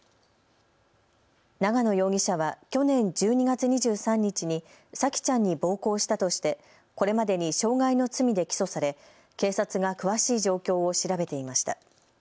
長野容疑者は去年１２月２３日に沙季ちゃんに暴行したとしてこれまでに傷害の罪で起訴され警察が詳しい状況を調べていました。